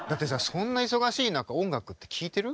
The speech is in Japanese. そんな忙しい中音楽って聴いてる？